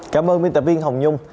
cảm ơn biên tập viên hồng nhung